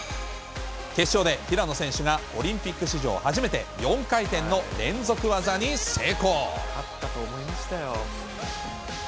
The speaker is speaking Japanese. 決勝で平野選手がオリンピック史上初めて４回転の連続技に成功。